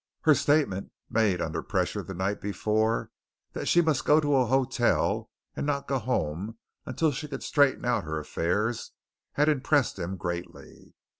Her statement, made under pressure the night before, that she must go to a hotel and not go home until she could straighten out her affairs, had impressed him greatly.